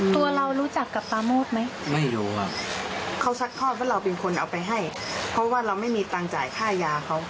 ไม่ครับไม่มีครับเรื่องฆ่ายานี่ไม่มีแน่นอนครับ